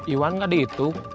iwan gak dihitung